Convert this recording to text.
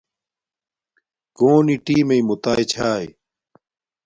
کݸنݵ ٹݵمݵئ مُتݳئݵ چھݳئݺ؟